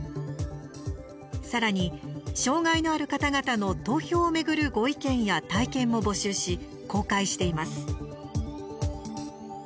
さらに、障害のある方々の投票を巡るご意見や体験も募集し公開しています。